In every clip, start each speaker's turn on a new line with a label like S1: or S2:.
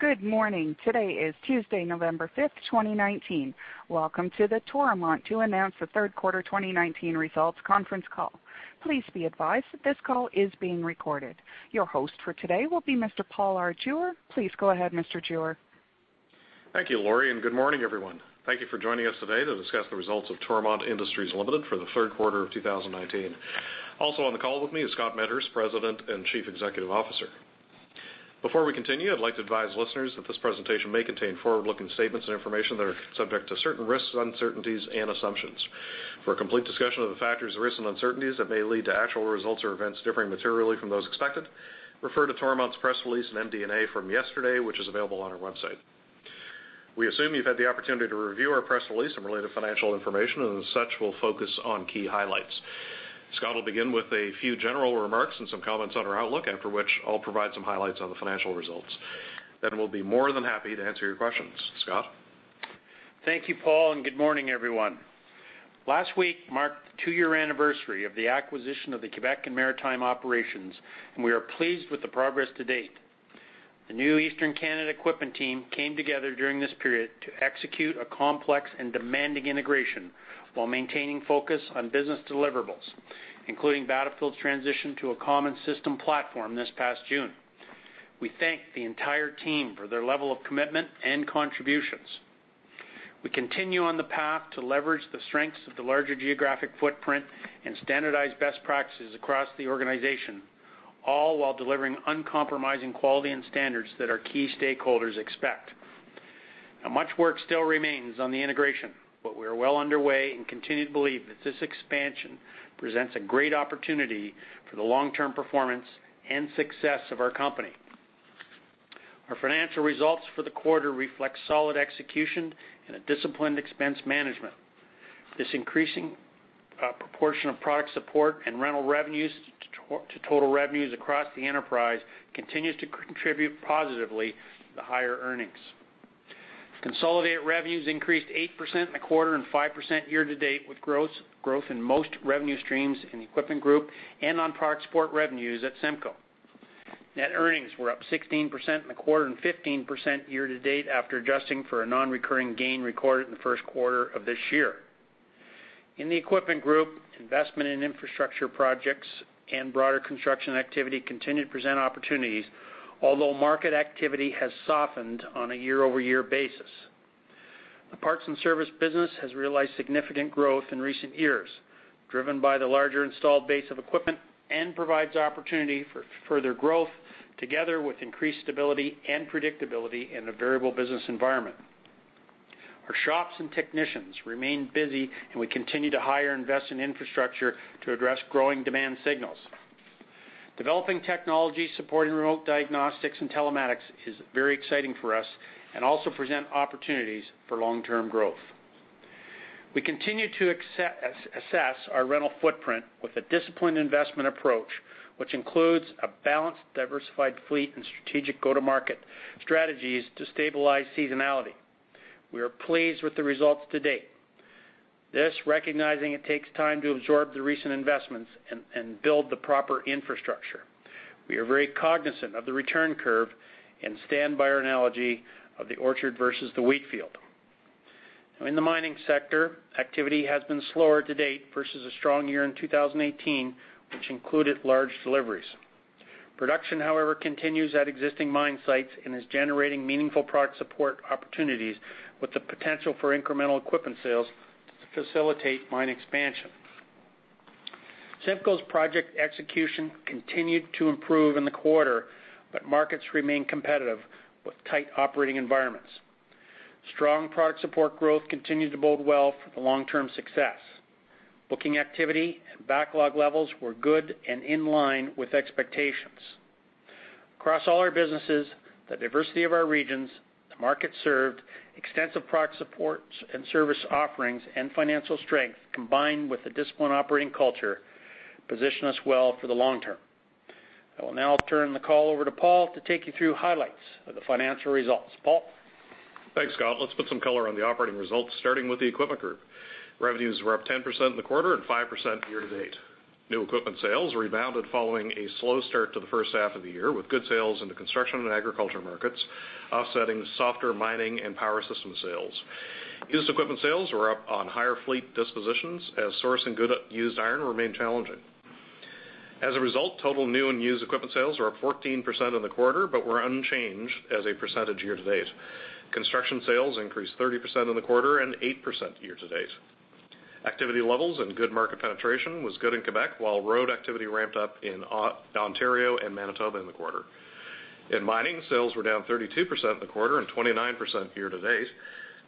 S1: Good morning. Today is Tuesday, November 5th, 2019. Welcome to the Toromont to announce the third quarter 2019 results conference call. Please be advised that this call is being recorded. Your host for today will be Mr. Paul R. Jewer. Please go ahead, Mr. Jewer.
S2: Thank you, Laurie. Good morning, everyone. Thank you for joining us today to discuss the results of Toromont Industries Limited for the third quarter of 2019. Also on the call with me is Scott Medhurst, President and Chief Executive Officer. Before we continue, I'd like to advise listeners that this presentation may contain forward-looking statements and information that are subject to certain risks, uncertainties and assumptions. For a complete discussion of the factors, risks, and uncertainties that may lead to actual results or events differing materially from those expected, refer to Toromont's press release in MD&A from yesterday, which is available on our website. We assume you've had the opportunity to review our press release and related financial information, and as such, we'll focus on key highlights. Scott will begin with a few general remarks and some comments on our outlook, after which I'll provide some highlights on the financial results. We'll be more than happy to answer your questions. Scott?
S3: Thank you, Paul. Good morning, everyone. Last week marked the two-year anniversary of the acquisition of the Quebec and Maritime operations. We are pleased with the progress to date. The new Eastern Canada equipment team came together during this period to execute a complex and demanding integration while maintaining focus on business deliverables, including Battlefield's transition to a common system platform this past June. We thank the entire team for their level of commitment and contributions. We continue on the path to leverage the strengths of the larger geographic footprint and standardize best practices across the organization, all while delivering uncompromising quality and standards that our key stakeholders expect. Much work still remains on the integration. We are well underway and continue to believe that this expansion presents a great opportunity for the long-term performance and success of our company. Our financial results for the quarter reflect solid execution and a disciplined expense management. This increasing proportion of product support and rental revenues to total revenues across the enterprise continues to contribute positively to the higher earnings. Consolidated revenues increased 8% in the quarter and 5% year-to-date, with growth in most revenue streams in the Equipment Group and on product support revenues at CIMCO. Net earnings were up 16% in the quarter and 15% year-to-date after adjusting for a non-recurring gain recorded in the first quarter of this year. In the Equipment Group, investment in infrastructure projects and broader construction activity continue to present opportunities, although market activity has softened on a year-over-year basis. The parts and service business has realized significant growth in recent years, driven by the larger installed base of equipment and provides opportunity for further growth together with increased stability and predictability in a variable business environment. Our shops and technicians remain busy, and we continue to hire and invest in infrastructure to address growing demand signals. Developing technology supporting remote diagnostics and telematics is very exciting for us and also present opportunities for long-term growth. We continue to assess our rental footprint with a disciplined investment approach, which includes a balanced, diversified fleet and strategic go-to-market strategies to stabilize seasonality. We are pleased with the results to date. This, recognizing it takes time to absorb the recent investments and build the proper infrastructure. We are very cognizant of the return curve and stand by our analogy of the orchard versus the wheat field. Now, in the mining sector, activity has been slower to date versus a strong year in 2018, which included large deliveries. Production, however, continues at existing mine sites and is generating meaningful product support opportunities with the potential for incremental equipment sales to facilitate mine expansion. CIMCO's project execution continued to improve in the quarter, but markets remain competitive with tight operating environments. Strong product support growth continues to bode well for the long-term success. Booking activity and backlog levels were good and in line with expectations. Across all our businesses, the diversity of our regions, the market served, extensive product supports and service offerings, and financial strength, combined with a disciplined operating culture, position us well for the long term. I will now turn the call over to Paul to take you through highlights of the financial results. Paul?
S2: Thanks, Scott. Let's put some color on the Equipment Group operating results, starting with the Equipment Group. Revenues were up 10% in the quarter and 5% year to date. New equipment sales rebounded following a slow start to the first half of the year, with good sales into construction and agriculture markets offsetting softer mining and power system sales. Used equipment sales were up on higher fleet dispositions as source and good used iron remained challenging. As a result, total new and used equipment sales were up 14% in the quarter but were unchanged as a percentage year to date. Construction sales increased 30% in the quarter and 8% year to date. Activity levels and good market penetration was good in Quebec while road activity ramped up in Ontario and Manitoba in the quarter. In mining, sales were down 32% in the quarter and 29% year-to-date,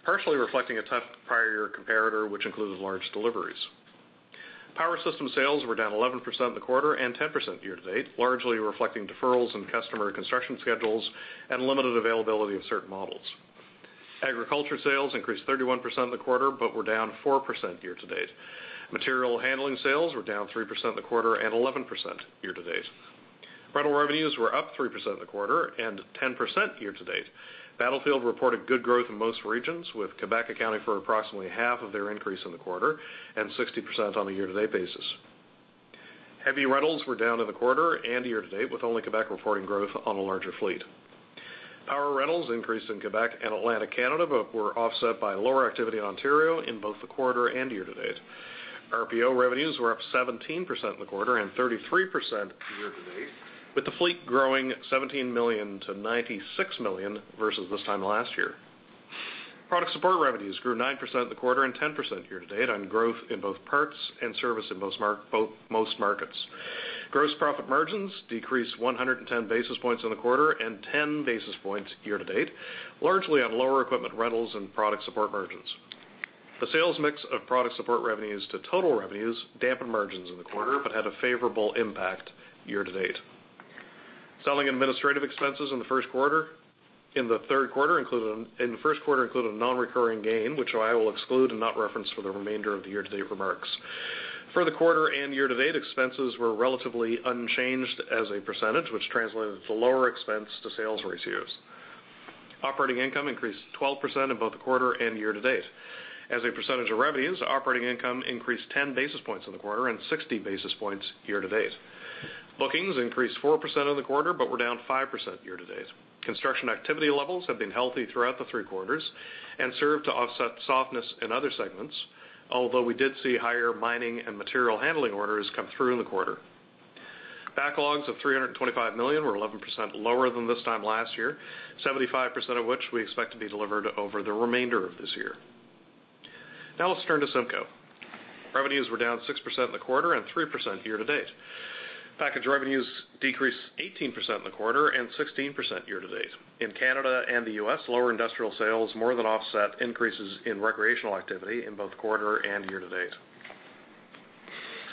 S2: partially reflecting a tough prior year comparator which included large deliveries. Power system sales were down 11% in the quarter and 10% year-to-date, largely reflecting deferrals in customer construction schedules and limited availability of certain models. Agriculture sales increased 31% in the quarter but were down 4% year-to-date. Material handling sales were down 3% in the quarter and 11% year-to-date. Rental revenues were up 3% in the quarter and 10% year-to-date. Battlefield reported good growth in most regions, with Quebec accounting for approximately half of their increase in the quarter and 60% on a year-to-date basis. Heavy rentals were down in the quarter and year-to-date, with only Quebec reporting growth on a larger fleet. Power rentals increased in Quebec and Atlantic Canada, but were offset by lower activity in Ontario in both the quarter and year to date. RPO revenues were up 17% in the quarter and 33% year to date, with the fleet growing 17 million to 96 million versus this time last year. Product support revenues grew 9% in the quarter and 10% year to date on growth in both parts and service in both most markets. Gross profit margins decreased 110 basis points in the quarter and 10 basis points year to date, largely on lower equipment rentals and product support margins. The sales mix of product support revenues to total revenues dampened margins in the quarter, but had a favorable impact year to date. Selling administrative expenses in the first quarter included a non-recurring gain, which I will exclude and not reference for the remainder of the year-to-date remarks. For the quarter and year to date, expenses were relatively unchanged as a percentage, which translated to lower expense to sales ratios. Operating income increased 12% in both the quarter and year to date. As a percentage of revenues, operating income increased 10 basis points in the quarter and 60 basis points year to date. Bookings increased 4% in the quarter, but were down 5% year to date. Construction activity levels have been healthy throughout the three quarters and served to offset softness in other segments, although we did see higher mining and material handling orders come through in the quarter. Backlogs of 325 million were 11% lower than this time last year, 75% of which we expect to be delivered over the remainder of this year. Now let's turn to CIMCO. Revenues were down 6% in the quarter and 3% year to date. Package revenues decreased 18% in the quarter and 16% year-to-date. In Canada and the U.S., lower industrial sales more than offset increases in recreational activity in both quarter and year-to-date.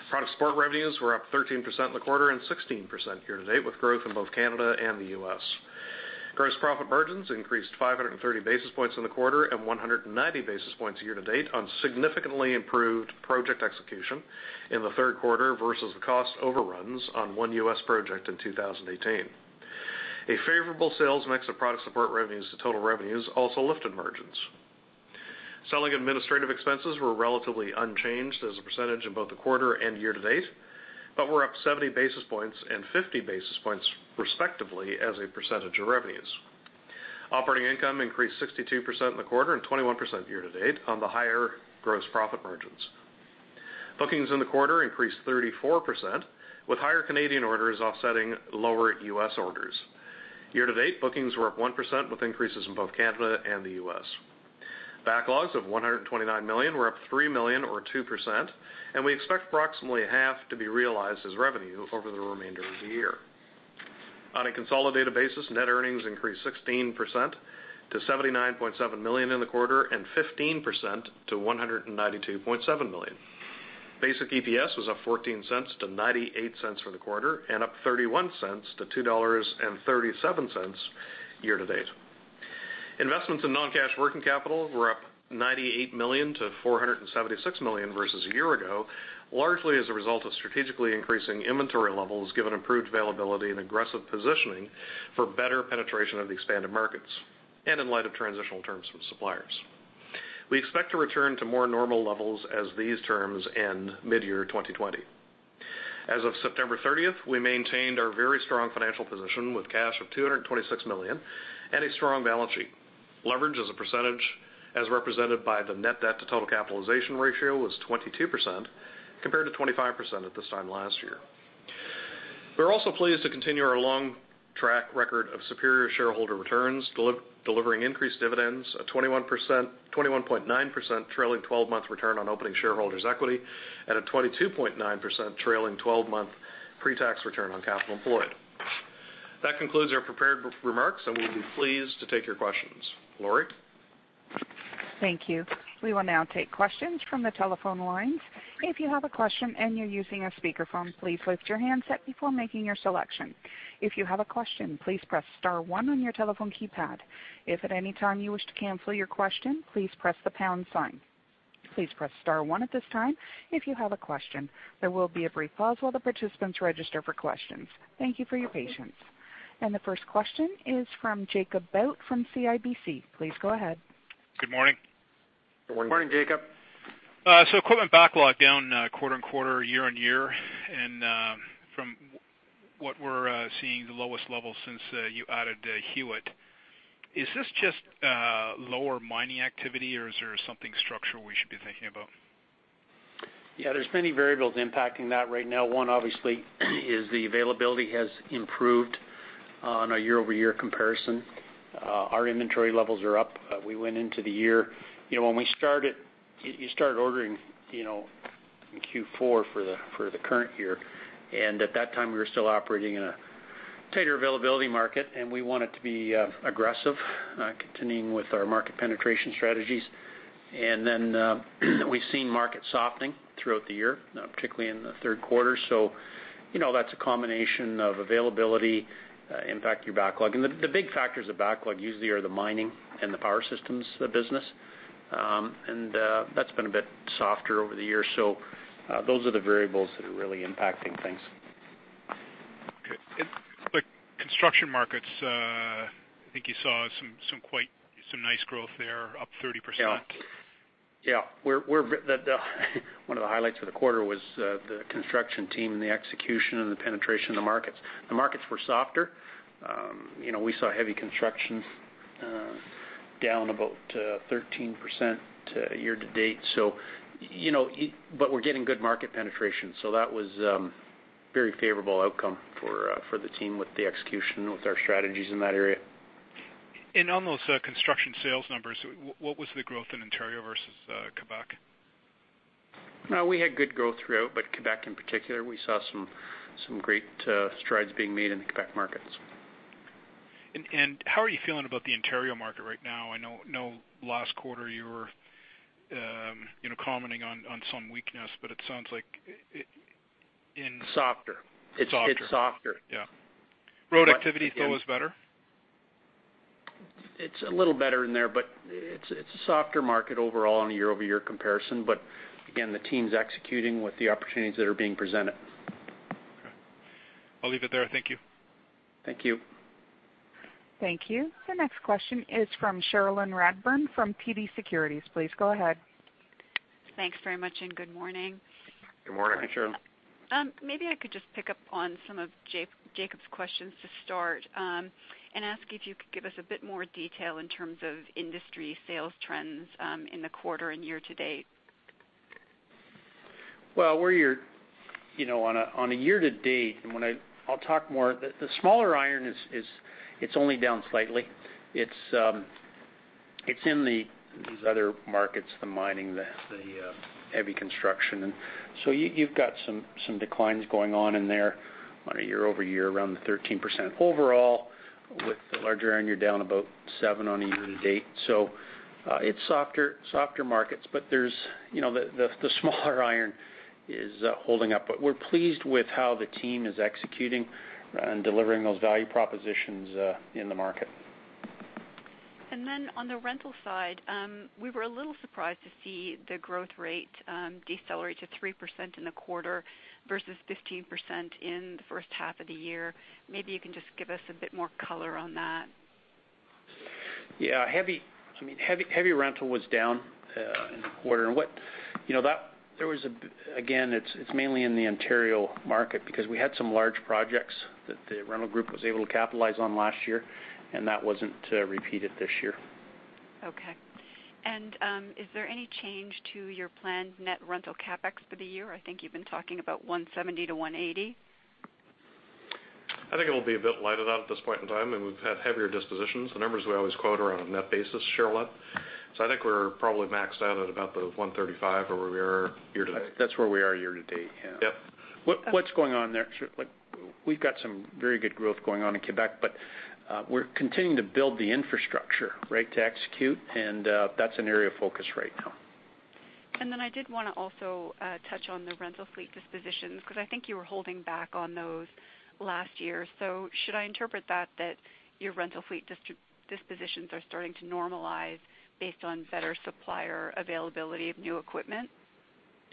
S2: Product support revenues were up 13% in the quarter and 16% year-to-date, with growth in both Canada and the U.S. Gross profit margins increased 530 basis points in the quarter and 190 basis points year-to-date on significantly improved project execution in the third quarter versus the cost overruns on one U.S. project in 2018. A favorable sales mix of product support revenues to total revenues also lifted margins. Selling administrative expenses were relatively unchanged as a percentage in both the quarter and year-to-date, but were up 70 basis points and 50 basis points respectively as a percentage of revenues. Operating income increased 62% in the quarter and 21% year-to-date on the higher gross profit margins. Bookings in the quarter increased 34%, with higher Canadian orders offsetting lower U.S. orders. Year-to-date, bookings were up 1%, with increases in both Canada and the U.S. Backlogs of 129 million were up 3 million or 2%, and we expect approximately half to be realized as revenue over the remainder of the year. On a consolidated basis, net earnings increased 16% to 79.7 million in the quarter and 15% to 192.7 million. Basic EPS was up 0.14 to 0.98 for the quarter, and up 0.31 to 2.37 dollars year-to-date. Investments in non-cash working capital were up 98 million to 476 million versus a year ago, largely as a result of strategically increasing inventory levels given improved availability and aggressive positioning for better penetration of the expanded markets, and in light of transitional terms with suppliers. We expect to return to more normal levels as these terms end mid-year 2020. As of September 30th, we maintained our very strong financial position with cash of 226 million and a strong balance sheet. Leverage as a percentage, as represented by the net debt to total capitalization ratio was 22%, compared to 25% at this time last year. We're also pleased to continue our long track record of superior shareholder returns, delivering increased dividends of 21.9% trailing 12 months return on opening shareholders' equity, and a 22.9% trailing 12-month pre-tax return on capital employed. That concludes our prepared remarks, and we would be pleased to take your questions. Laurie?
S1: Thank you. We will now take questions from the telephone lines. If you have a question and you're using a speakerphone, please lift your handset before making your selection. If you have a question, please press star one on your telephone keypad. If at any time you wish to cancel your question, please press the pound sign. Please press star one at this time if you have a question. There will be a brief pause while the participants register for questions. Thank you for your patience. The first question is from Jacob Bout from CIBC. Please go ahead.
S4: Good morning.
S2: Good morning, Jacob.
S4: Equipment backlog down quarter-on-quarter, year-on-year. From what we're seeing the lowest level since you added Hewitt. Is this just lower mining activity, or is there something structural we should be thinking about?
S2: Yeah, there's many variables impacting that right now. One obviously is the availability has improved on a year-over-year comparison. Our inventory levels are up. We went into the year. You start ordering in Q4 for the current year. At that time, we were still operating in a tighter availability market, and we wanted to be aggressive, continuing with our market penetration strategies. We've seen market softening throughout the year, particularly in the third quarter. That's a combination of availability impact your backlog. The big factors of backlog usually are the mining and the power systems business. That's been a bit softer over the years. Those are the variables that are really impacting things.
S4: Construction markets, I think you saw some nice growth there, up 30%.
S3: Yeah. One of the highlights of the quarter was the construction team and the execution and the penetration of the markets. The markets were softer. We saw heavy construction down about 13% year to date. We're getting good market penetration, so that was very favorable outcome for the team with the execution, with our strategies in that area.
S4: On those construction sales numbers, what was the growth in Ontario versus Quebec?
S3: We had good growth throughout, but Quebec in particular, we saw some great strides being made in the Quebec markets.
S4: How are you feeling about the Ontario market right now? I know last quarter you were commenting on some weakness.
S3: Softer.
S4: Softer.
S3: It's softer.
S4: Yeah. Road activity, though, is better?
S3: It's a little better in there, but it's a softer market overall on a year-over-year comparison. Again, the team's executing with the opportunities that are being presented.
S4: Okay. I'll leave it there. Thank you.
S3: Thank you.
S1: Thank you. The next question is from Cherilyn Radbourne from TD Securities. Please go ahead.
S5: Thanks very much, and good morning.
S3: Good morning. Hi, Cherilyn.
S5: Maybe I could just pick up on some of Jacob's questions to start, and ask if you could give us a bit more detail in terms of industry sales trends in the quarter and year to date.
S3: Well, on a year to date, I'll talk more, the smaller iron is only down slightly. It's in these other markets, the mining, the heavy construction. You've got some declines going on in there on a year-over-year, around the 13%. Overall, with the larger iron, you're down about seven on a year to date. It's softer markets. The smaller iron is holding up. We're pleased with how the team is executing and delivering those value propositions in the market.
S5: On the rental side, we were a little surprised to see the growth rate decelerate to 3% in the quarter versus 15% in the first half of the year. Maybe you can just give us a bit more color on that.
S3: Yeah. Heavy rental was down in the quarter. Again, it is mainly in the Ontario market because we had some large projects that the rental group was able to capitalize on last year, and that wasn't repeated this year.
S5: Okay. Is there any change to your planned net rental CapEx for the year? I think you've been talking about 170-180.
S2: I think it'll be a bit lighter than that at this point in time, and we've had heavier dispositions. The numbers we always quote are on a net basis, Cherilyn. I think we're probably maxed out at about the 135 or where we are year to date.
S3: That's where we are year to date, yeah.
S2: Yep.
S3: What's going on there, we've got some very good growth going on in Quebec, but we're continuing to build the infrastructure to execute, and that's an area of focus right now.
S5: I did want to also touch on the rental fleet dispositions, because I think you were holding back on those last year. Should I interpret that your rental fleet dispositions are starting to normalize based on better supplier availability of new equipment?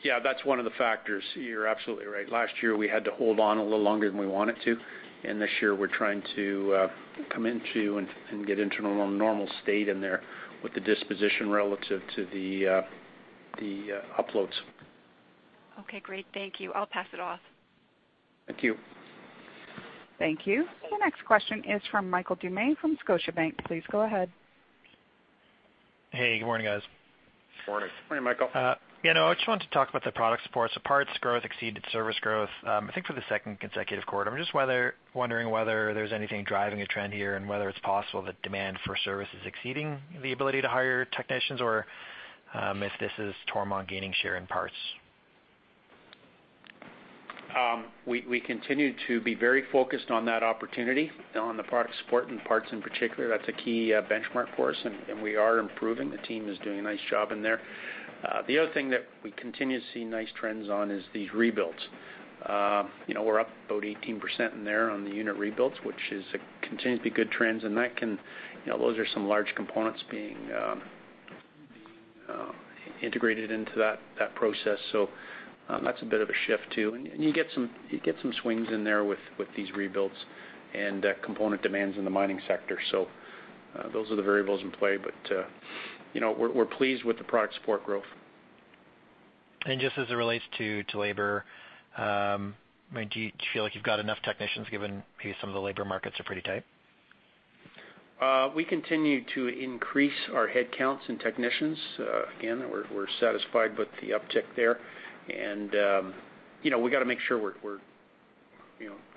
S3: Yeah, that's one of the factors. You're absolutely right. Last year, we had to hold on a little longer than we wanted to, and this year we're trying to come into and get into a more normal state in there with the disposition relative to the uploads.
S5: Okay, great. Thank you. I'll pass it off.
S3: Thank you.
S1: Thank you. The next question is from Michael Doumet from Scotiabank. Please go ahead.
S6: Hey, good morning, guys.
S2: Morning.
S3: Morning, Michael.
S6: Yeah, I just wanted to talk about the product support. Parts growth exceeded service growth, I think for the second consecutive quarter. I'm just wondering whether there's anything driving a trend here and whether it's possible that demand for service is exceeding the ability to hire technicians, or if this is Toromont gaining share in parts.
S3: We continue to be very focused on that opportunity, on the product support and parts in particular. That's a key benchmark for us, and we are improving. The team is doing a nice job in there. The other thing that we continue to see nice trends on is these rebuilds. We're up about 18% in there on the unit rebuilds, which continues to be good trends, and those are some large components being integrated into that process. That's a bit of a shift, too. You get some swings in there with these rebuilds and component demands in the mining sector. Those are the variables in play, but we're pleased with the product support growth.
S6: Just as it relates to labor, do you feel like you've got enough technicians given maybe some of the labor markets are pretty tight?
S3: We continue to increase our headcounts and technicians. Again, we're satisfied with the uptick there. We got to make sure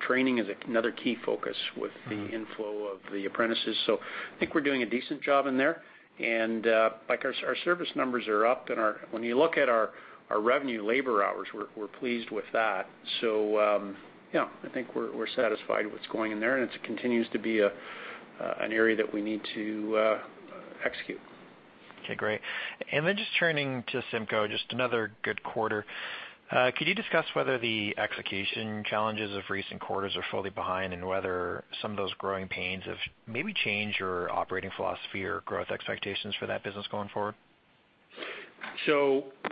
S3: training is another key focus with the inflow of the apprentices. I think we're doing a decent job in there. Our service numbers are up, when you look at our revenue labor hours, we're pleased with that. Yeah, I think we're satisfied with what's going in there, and it continues to be an area that we need to execute.
S6: Okay, great. Just turning to CIMCO, just another good quarter. Could you discuss whether the execution challenges of recent quarters are fully behind and whether some of those growing pains have maybe changed your operating philosophy or growth expectations for that business going forward?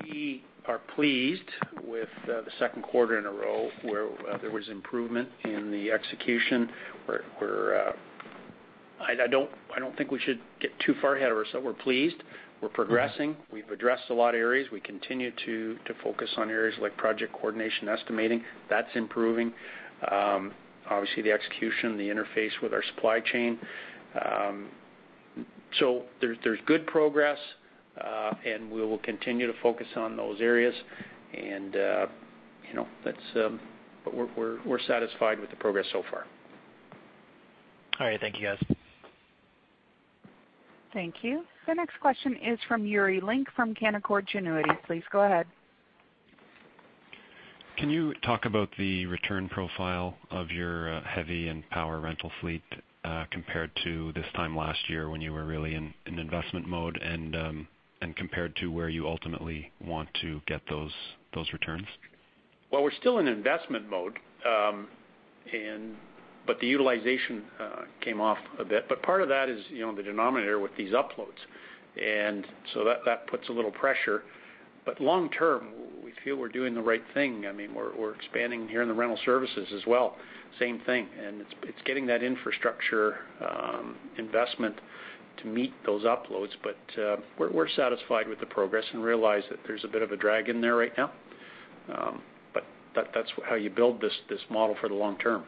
S3: We are pleased with the second quarter in a row where there was improvement in the execution. I don't think we should get too far ahead of ourselves. We're pleased. We're progressing. We've addressed a lot of areas. We continue to focus on areas like project coordination estimating. That's improving. Obviously, the execution, the interface with our supply chain. There's good progress, and we will continue to focus on those areas. We're satisfied with the progress so far.
S6: All right. Thank you, guys.
S1: Thank you. The next question is from Yuri Lynk from Canaccord Genuity. Please go ahead.
S7: Can you talk about the return profile of your heavy and power rental fleet, compared to this time last year when you were really in investment mode and compared to where you ultimately want to get those returns?
S3: We're still in investment mode. The utilization came off a bit, but part of that is the denominator with these RPO. That puts a little pressure. Long term, we feel we're doing the right thing. We're expanding here in the rental services as well, same thing. It's getting that infrastructure investment to meet those RPO. We're satisfied with the progress and realize that there's a bit of a drag in there right now. That's how you build this model for the long term.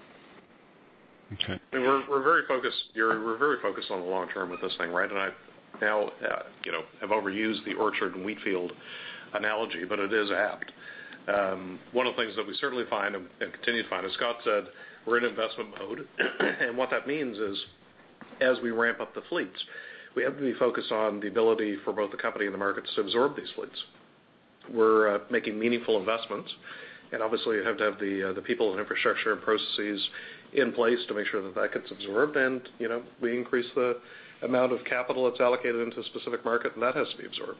S2: Okay. We're very focused on the long term with this thing, right? I now have overused the orchard and wheat field analogy, but it is apt. One of the things that we certainly find and continue to find, as Scott said, we're in investment mode. What that means is as we ramp up the fleets, we have to be focused on the ability for both the company and the markets to absorb these fleets. We're making meaningful investments, and obviously you have to have the people and infrastructure and processes in place to make sure that that gets absorbed. We increase the amount of capital that's allocated into a specific market, and that has to be absorbed.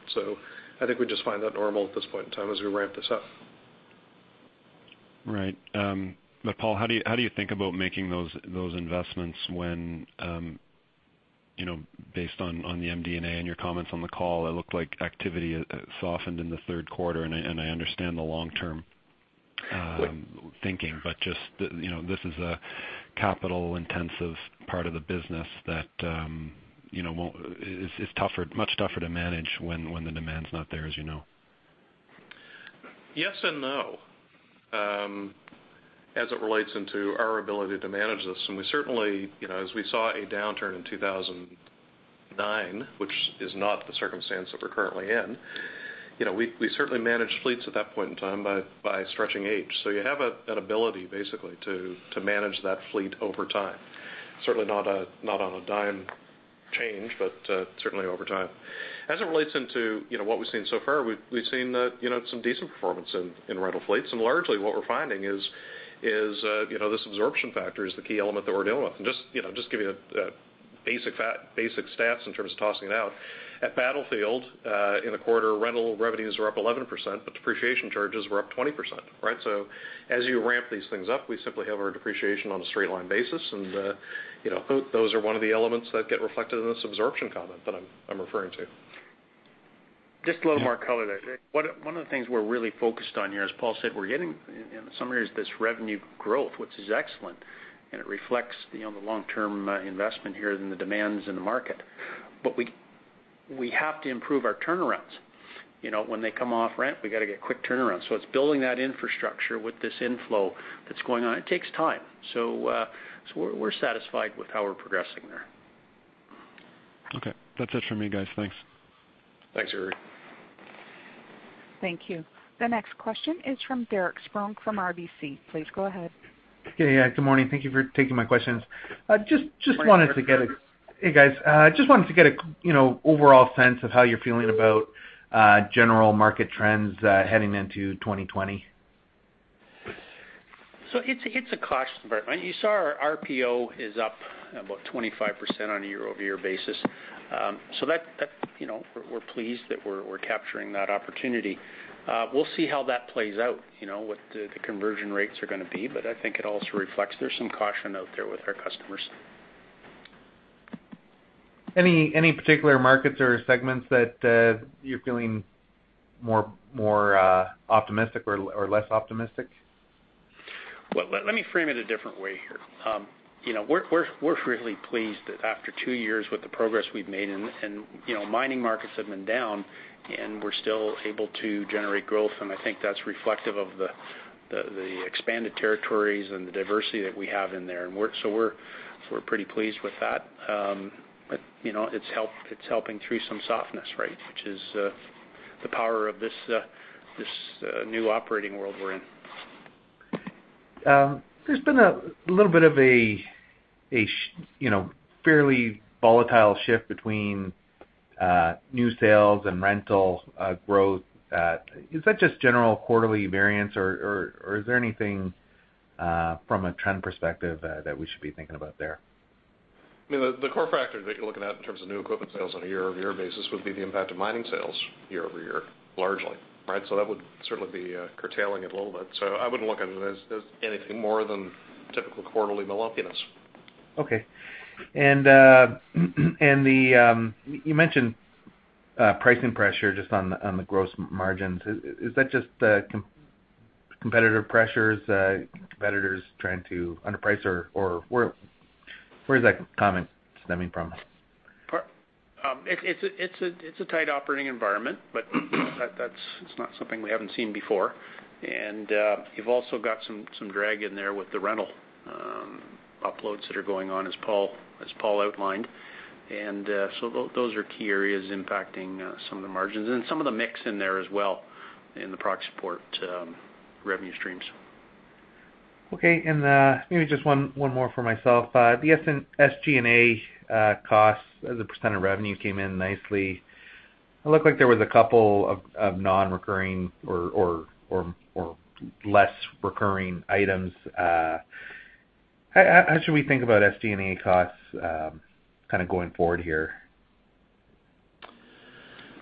S2: I think we just find that normal at this point in time as we ramp this up.
S7: Right. Paul, how do you think about making those investments when, based on the MD&A and your comments on the call, it looked like activity softened in the third quarter, and I understand the long term thinking, but just this is a capital-intensive part of the business that is much tougher to manage when the demand's not there, as you know.
S2: Yes and no. As it relates into our ability to manage this, we certainly, as we saw a downturn in 2009, which is not the circumstance that we're currently in, we certainly managed fleets at that point in time by stretching age. You have that ability basically to manage that fleet over time. Certainly not on a dime change, certainly over time. As it relates into what we've seen so far, we've seen that some decent performance in rental fleets. Largely what we're finding is this absorption factor is the key element that we're dealing with. Just give you a basic stats in terms of tossing it out. At Battlefield, in a quarter, rental revenues were up 11%, depreciation charges were up 20%, right? As you ramp these things up, we simply have our depreciation on a straight line basis, and those are one of the elements that get reflected in this absorption comment that I'm referring to.
S3: Just a little more color there. One of the things we're really focused on here, as Paul said, we're getting, in some areas, this revenue growth, which is excellent, and it reflects the long-term investment here and the demands in the market. We have to improve our turnarounds. When they come off rent, we got to get quick turnaround. It's building that infrastructure with this inflow that's going on. It takes time. We're satisfied with how we're progressing there.
S7: Okay. That's it for me, guys. Thanks.
S2: Thanks, Yuri.
S1: Thank you. The next question is from Derek Spronck from RBC. Please go ahead.
S8: Hey. Good morning. Thank you for taking my questions. Hey, guys. Just wanted to get an overall sense of how you're feeling about general market trends heading into 2020.
S3: It's a caution, but you saw our RPO is up about 25% on a year-over-year basis. We're pleased that we're capturing that opportunity. We'll see how that plays out, what the conversion rates are going to be. I think it also reflects there's some caution out there with our customers.
S8: Any particular markets or segments that you're feeling more optimistic or less optimistic?
S3: Well, let me frame it a different way here. We're really pleased that after two years with the progress we've made, and mining markets have been down, and we're still able to generate growth. I think that's reflective of the expanded territories and the diversity that we have in there. We're pretty pleased with that. It's helping through some softness, right? Which is the power of this new operating world we're in.
S8: There's been a little bit of a fairly volatile shift between new sales and rental growth. Is that just general quarterly variance, or is there anything from a trend perspective that we should be thinking about there?
S2: The core factor that you're looking at in terms of new equipment sales on a year-over-year basis would be the impact of mining sales year over year, largely. Right? That would certainly be curtailing it a little bit. I wouldn't look at it as anything more than typical quarterly lumpiness.
S8: Okay. You mentioned pricing pressure just on the gross margins. Is that just the competitive pressures, competitors trying to underprice, or where is that comment stemming from?
S3: It's a tight operating environment, but that's not something we haven't seen before. You've also got some drag in there with the rental uploads that are going on, as Paul outlined. Those are key areas impacting some of the margins and some of the mix in there as well in the product support revenue streams.
S8: Okay, maybe just one more for myself. The SG&A costs as a % of revenue came in nicely. It looked like there was a couple of non-recurring or less recurring items. How should we think about SG&A costs going forward here?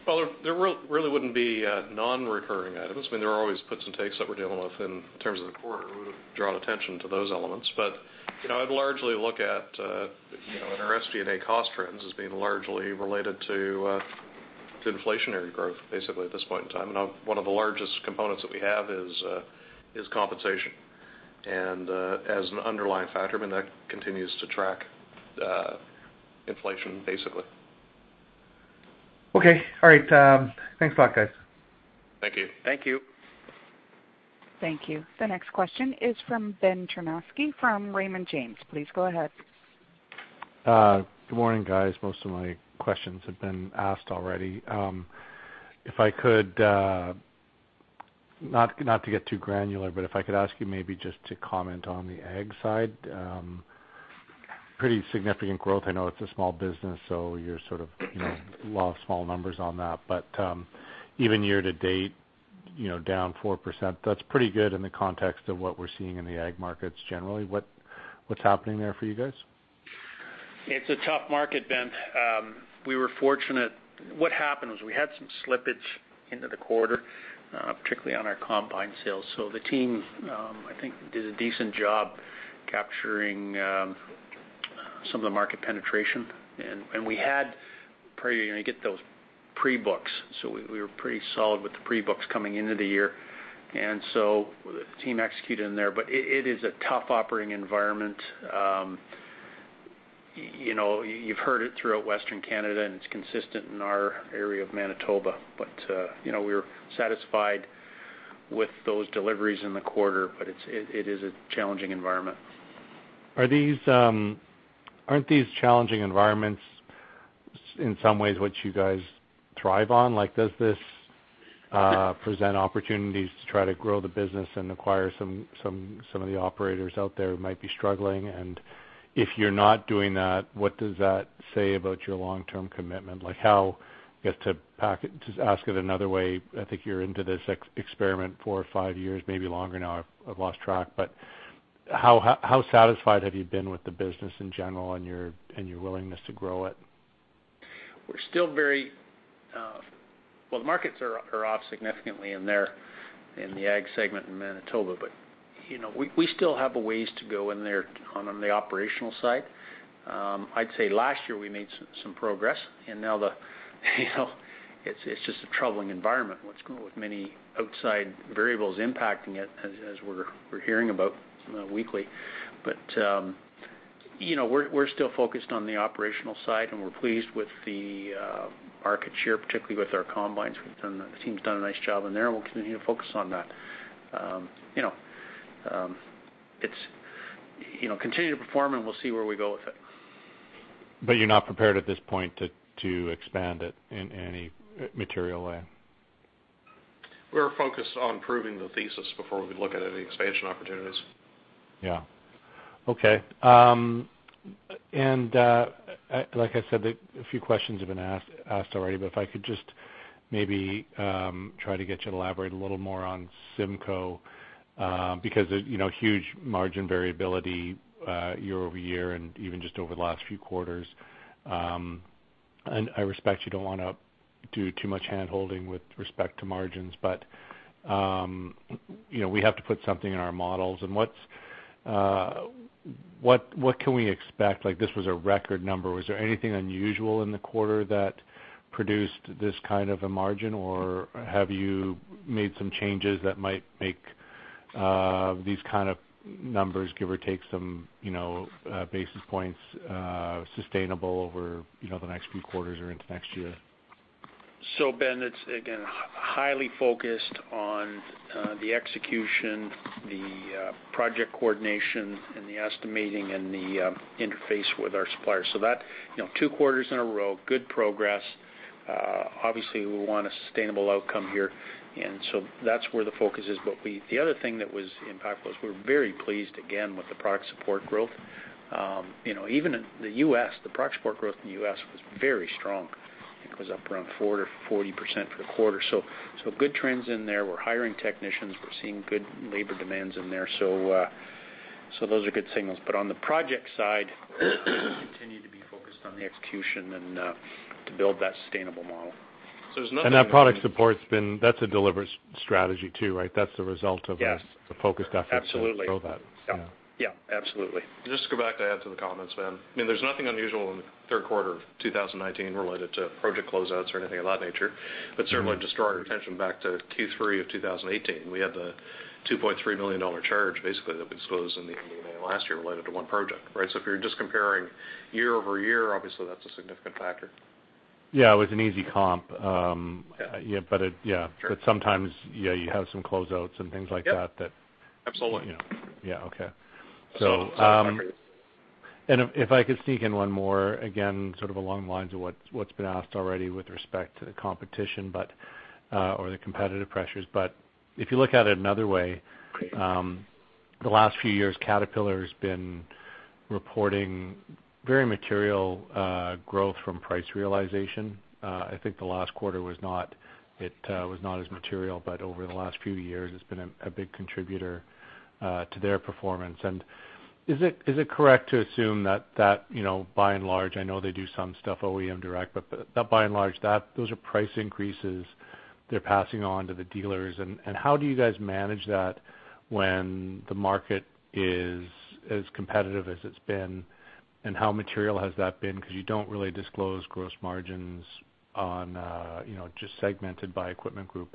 S2: Well, there really wouldn't be non-recurring items. I mean, there are always puts and takes that we're dealing with in terms of the quarter. We would've drawn attention to those elements. I'd largely look at our SG&A cost trends as being largely related to inflationary growth, basically, at this point in time. One of the largest components that we have is compensation. As an underlying factor, that continues to track inflation, basically.
S8: Okay. All right. Thanks a lot, guys.
S2: Thank you.
S3: Thank you.
S1: Thank you. The next question is from Ben Cherniavsky, from Raymond James. Please go ahead.
S9: Good morning, guys. Most of my questions have been asked already. Not to get too granular, if I could ask you maybe just to comment on the ag side. Pretty significant growth. I know it's a small business, you're sort of law of small numbers on that. Even year to date, down 4%, that's pretty good in the context of what we're seeing in the ag markets generally. What's happening there for you guys?
S3: It's a tough market, Ben. We were fortunate. What happened was we had some slippage into the quarter, particularly on our combine sales. The team, I think, did a decent job capturing some of the market penetration. We had those pre-books. We were pretty solid with the pre-books coming into the year. The team executed in there, but it is a tough operating environment. You've heard it throughout Western Canada, and it's consistent in our area of Manitoba, but we were satisfied with those deliveries in the quarter, but it is a challenging environment.
S9: Aren't these challenging environments, in some ways, what you guys thrive on? Does this present opportunities to try to grow the business and acquire some of the operators out there who might be struggling? If you're not doing that, what does that say about your long-term commitment? To ask it another way, I think you're into this experiment four or five years, maybe longer now, I've lost track, but how satisfied have you been with the business in general and your willingness to grow it?
S3: The markets are off significantly in the ag segment in Manitoba. We still have a ways to go in there on the operational side. I'd say last year we made some progress, and now it's just a troubling environment with many outside variables impacting it as we're hearing about weekly. We're still focused on the operational side, and we're pleased with the market share, particularly with our combines. The team's done a nice job in there. We'll continue to focus on that. Continue to perform. We'll see where we go with it.
S9: You're not prepared at this point to expand it in any material way?
S2: We're focused on proving the thesis before we look at any expansion opportunities.
S9: Yeah. Okay. Like I said, a few questions have been asked already, but if I could just maybe try to get you to elaborate a little more on CIMCO, because huge margin variability year-over-year and even just over the last few quarters. I respect you don't want to do too much hand-holding with respect to margins, but we have to put something in our models. What can we expect? This was a record number. Was there anything unusual in the quarter that produced this kind of a margin, or have you made some changes that might make these kind of numbers, give or take some basis points, sustainable over the next few quarters or into next year?
S3: Ben, it's again, highly focused on the execution, the project coordination, and the estimating, and the interface with our suppliers. That, two quarters in a row, good progress. Obviously, we want a sustainable outcome here, and so that's where the focus is. The other thing that was impactful is we're very pleased, again, with the product support growth. Even in the U.S., the product support growth in the U.S. was very strong. I think it was up around 40% for the quarter. Good trends in there. We're hiring technicians. We're seeing good labor demands in there. Those are good signals. On the project side, we continue to be focused on the execution and to build that sustainable model. There's nothing.
S9: That product support, that's a deliberate strategy too, right?
S3: Yes
S9: a focused effort to-
S3: Absolutely
S9: build that. Yeah.
S3: Yeah. Absolutely.
S2: Just to go back to add to the comments, Ben, there's nothing unusual in the third quarter of 2019 related to project closeouts or anything of that nature. Certainly, just draw our attention back to Q3 of 2018. We had the 2.3 million dollar charge, basically, that we disclosed in the end of May of last year related to one project, right? If you're just comparing year-over-year, obviously, that's a significant factor.
S9: Yeah, it was an easy comp.
S2: Yeah.
S9: Yeah.
S2: Sure.
S9: Sometimes, you have some closeouts and things like that.
S2: Yep. Absolutely.
S9: Yeah. Okay. If I could sneak in one more, again, sort of along the lines of what's been asked already with respect to the competition, or the competitive pressures. If you look at it another way, the last few years, Caterpillar's been reporting very material growth from price realization. I think the last quarter it was not as material, but over the last few years, it's been a big contributor to their performance. Is it correct to assume that, by and large, I know they do some stuff OEM direct, but by and large, those are price increases they're passing on to the dealers? How do you guys manage that when the market is as competitive as it's been? How material has that been? Because you don't really disclose gross margins just segmented by Equipment Group.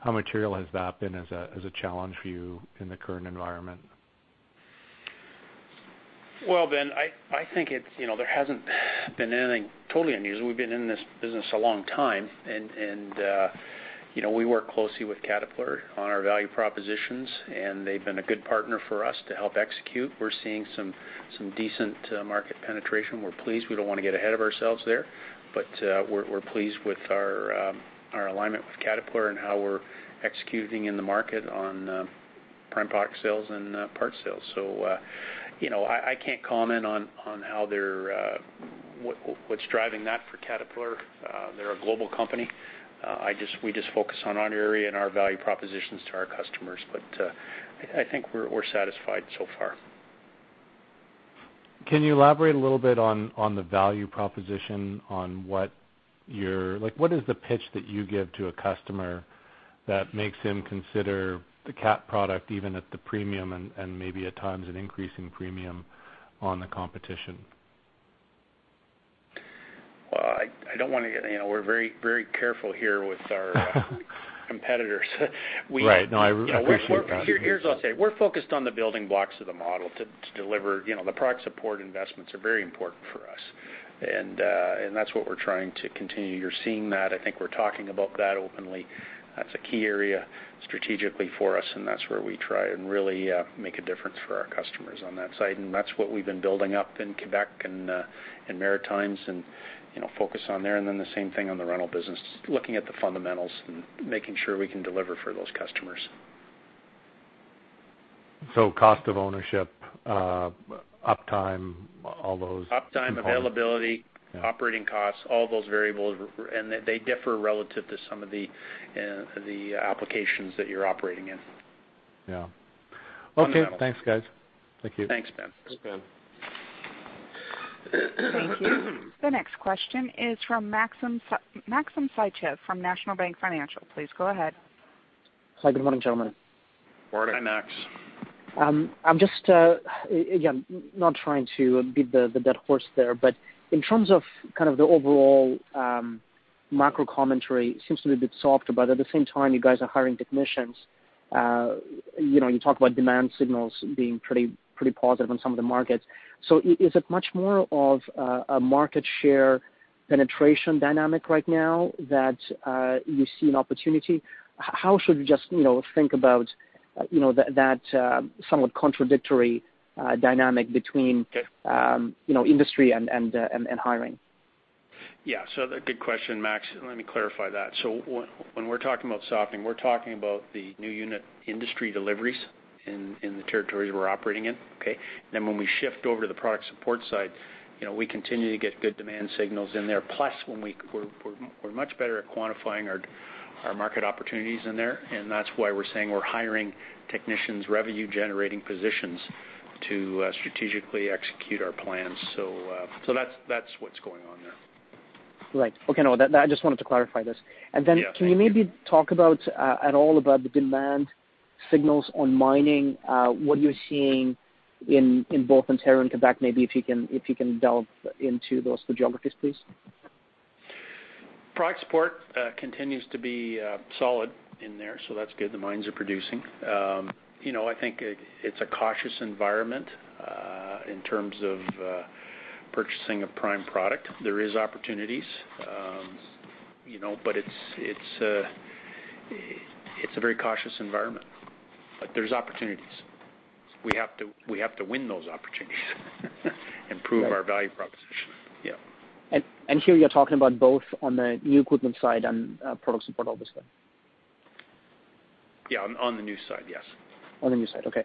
S9: How material has that been as a challenge for you in the current environment?
S3: Well, Ben, I think there hasn't been anything totally unusual. We've been in this business a long time, and we work closely with Caterpillar on our value propositions, and they've been a good partner for us to help execute. We're seeing some decent market penetration. We're pleased. We don't want to get ahead of ourselves there, but we're pleased with our alignment with Caterpillar and how we're executing in the market on prime product sales and parts sales. I can't comment on what's driving that for Caterpillar. They're a global company. We just focus on our area and our value propositions to our customers. I think we're satisfied so far.
S9: Can you elaborate a little bit on the value proposition on, what is the pitch that you give to a customer that makes him consider the Cat product even at the premium and maybe at times an increase in premium on the competition?
S3: Well, we're very careful here with our competitors.
S9: Right. No, I appreciate that.
S3: Here's what I'll say. We're focused on the building blocks of the model to deliver. The product support investments are very important for us, and that's what we're trying to continue. You're seeing that. I think we're talking about that openly. That's a key area strategically for us, and that's where we try and really make a difference for our customers on that side. That's what we've been building up in Quebec and Maritimes, and focus on there. The same thing on the rental business, looking at the fundamentals and making sure we can deliver for those customers.
S9: cost of ownership, uptime, all those.
S3: Uptime, availability.
S9: Yeah
S3: operating costs, all those variables, and they differ relative to some of the applications that you're operating in.
S9: Yeah. Okay.
S3: Fundamentals.
S9: Thanks, guys. Thank you.
S3: Thanks, Ben.
S2: Thanks, Ben.
S1: Thank you. The next question is from Maxim Sytchev from National Bank Financial. Please go ahead.
S10: Hi, good morning, gentlemen.
S2: Morning.
S3: Hi, Max.
S10: I'm just, again, not trying to beat the dead horse there, but in terms of the overall macro commentary, it seems to be a bit softer, but at the same time, you guys are hiring technicians. You talk about demand signals being pretty positive on some of the markets. Is it much more of a market share penetration dynamic right now that you see an opportunity? How should we just think about that somewhat contradictory dynamic between?
S3: Okay
S10: industry and hiring?
S3: Yeah. Good question, Max. Let me clarify that. When we're talking about softening, we're talking about the new unit industry deliveries in the territories we're operating in. Okay? When we shift over to the product support side, we continue to get good demand signals in there. Plus, we're much better at quantifying our market opportunities in there, and that's why we're saying we're hiring technicians, revenue-generating positions to strategically execute our plans. That's what's going on there.
S10: Right. Okay. No, I just wanted to clarify this.
S3: Yeah. Thank you.
S10: Can you maybe talk about at all about the demand signals on mining, what you're seeing in both Ontario and Quebec, maybe if you can delve into those two geographies, please?
S3: Product support continues to be solid in there. That's good. The mines are producing. I think it's a cautious environment in terms of purchasing a prime product. There is opportunities. It's a very cautious environment. There's opportunities. We have to win those opportunities and prove our value proposition. Yeah.
S10: Here you're talking about both on the new equipment side and product support, obviously.
S3: Yeah. On the new side, yes.
S10: On the new side, okay.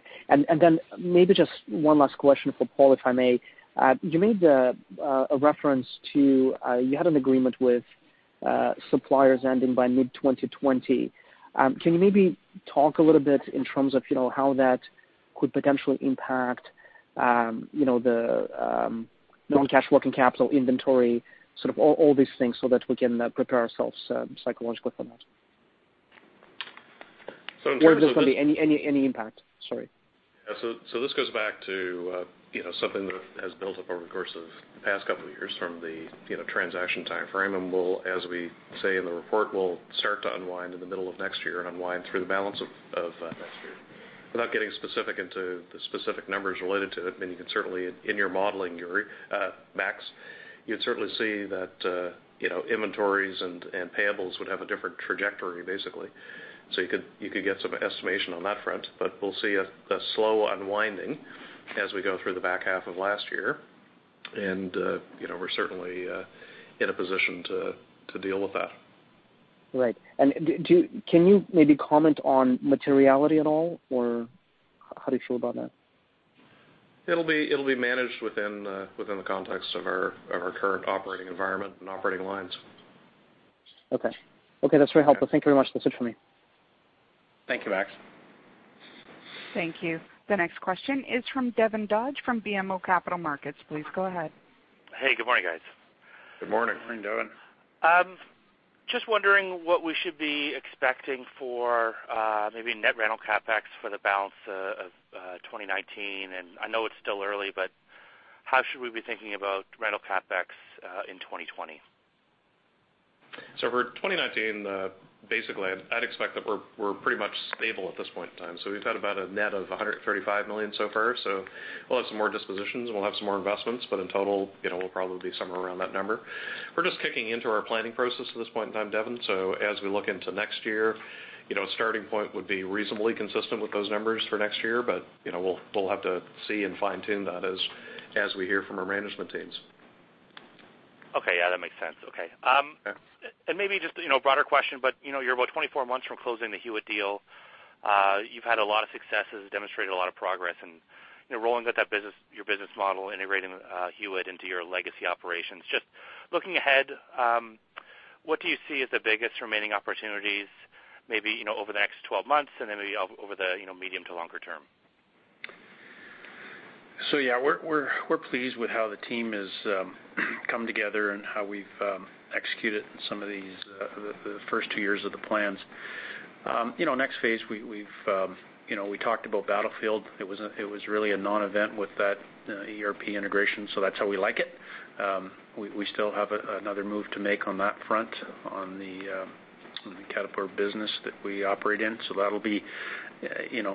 S10: Maybe just one last question for Paul, if I may. You made a reference to you had an agreement with suppliers ending by mid 2020. Can you maybe talk a little bit in terms of how that could potentially impact the non-cash working capital inventory, all these things, so that we can prepare ourselves psychologically for that.
S2: So in terms of-
S10: Where there's going to be any impact. Sorry.
S2: Yeah. This goes back to something that has built up over the course of the past couple of years from the transaction timeframe, and will, as we say in the report, will start to unwind in the middle of next year and unwind through the balance of next year. Without getting specific into the specific numbers related to it, I mean, you can certainly, in your modeling, Max, you'd certainly see that inventories and payables would have a different trajectory, basically. You could get some estimation on that front, we'll see a slow unwinding as we go through the back half of last year. We're certainly in a position to deal with that.
S10: Right. Can you maybe comment on materiality at all? How do you feel about that?
S2: It'll be managed within the context of our current operating environment and operating lines.
S10: Okay. That's very helpful. Thank you very much. That's it from me.
S2: Thank you, Max.
S1: Thank you. The next question is from Devin Dodge from BMO Capital Markets. Please go ahead.
S11: Hey, good morning, guys.
S2: Good morning.
S3: Morning, Devin.
S11: Just wondering what we should be expecting for maybe net rental CapEx for the balance of 2019. I know it's still early, but how should we be thinking about rental CapEx in 2020?
S2: For 2019, basically, I'd expect that we're pretty much stable at this point in time. We've had about a net of 135 million so far. We'll have some more dispositions, and we'll have some more investments, but in total, we'll probably be somewhere around that number. We're just kicking into our planning process at this point in time, Devin, so as we look into next year, a starting point would be reasonably consistent with those numbers for next year, but we'll have to see and fine-tune that as we hear from our management teams.
S11: Okay. Yeah, that makes sense. Okay.
S2: Okay.
S11: Maybe just a broader question, but you're about 24 months from closing the Hewitt deal. You've had a lot of successes, demonstrated a lot of progress in rolling out your business model, integrating Hewitt into your legacy operations. Just looking ahead, what do you see as the biggest remaining opportunities, maybe over the next 12 months, and then maybe over the medium to longer term?
S3: Yeah, we're pleased with how the team has come together and how we've executed some of these, the first 2 years of the plans. Next phase, we talked about Battlefield. It was really a non-event with that ERP integration, so that's how we like it. We still have another move to make on that front on the Caterpillar business that we operate in, so that'll be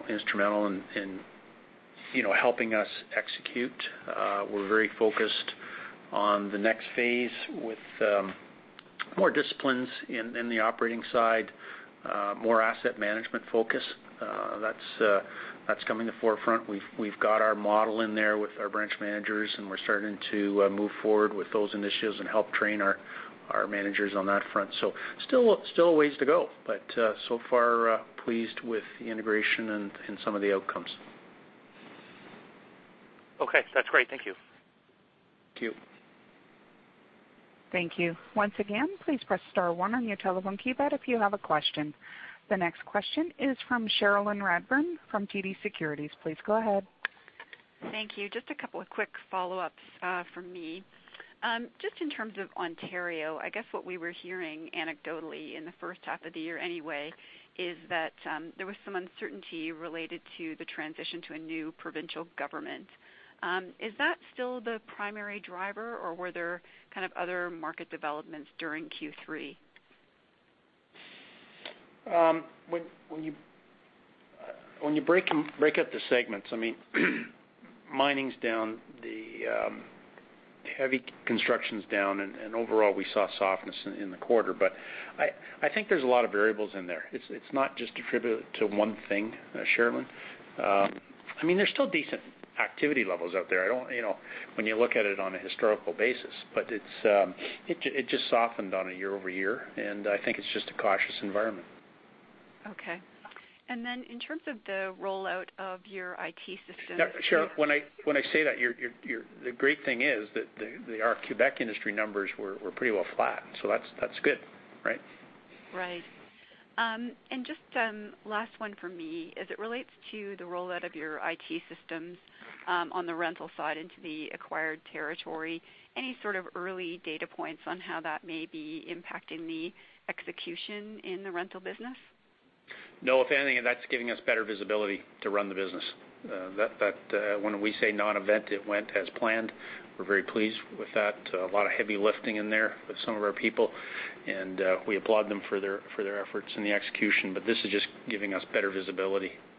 S3: instrumental in helping us execute. We're very focused on the next phase with more disciplines in the operating side, more asset management focus. That's coming to forefront. We've got our model in there with our branch managers, and we're starting to move forward with those initiatives and help train our managers on that front. Still a ways to go, but so far pleased with the integration and some of the outcomes.
S11: Okay. That's great. Thank you.
S3: Thank you.
S1: Thank you. Once again, please press *1 on your telephone keypad if you have a question. The next question is from Cherilyn Radbourne from TD Securities. Please go ahead.
S5: Thank you. Just a couple of quick follow-ups from me. Just in terms of Ontario, I guess what we were hearing anecdotally in the first half of the year anyway, is that there was some uncertainty related to the transition to a new provincial government. Is that still the primary driver, or were there kind of other market developments during Q3?
S3: When you break up the segments, I mean, mining's down, the heavy construction's down. Overall, we saw softness in the quarter. I think there's a lot of variables in there. It's not just attributable to one thing, Cherilyn. There's still decent activity levels out there when you look at it on a historical basis. It just softened on a year-over-year, I think it's just a cautious environment.
S5: Okay. In terms of the rollout of your IT systems.
S3: Cherilyn, when I say that, the great thing is that our Quebec industry numbers were pretty well flat. That's good, right?
S5: Right. Just last one from me, as it relates to the rollout of your IT systems on the rental side into the acquired territory, any sort of early data points on how that may be impacting the execution in the rental business?
S3: No. If anything, that's giving us better visibility to run the business. When we say non-event, it went as planned. We're very pleased with that. A lot of heavy lifting in there with some of our people, and we applaud them for their efforts and the execution. This is just giving us better visibility.